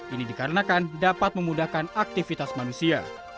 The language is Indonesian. ini dikarenakan dapat memudahkan aktivitas manusia